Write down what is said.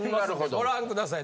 ご覧ください。